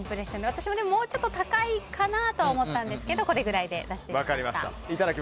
私はもうちょっと高いかなとは思ったんですけどこれくらいで出してみました。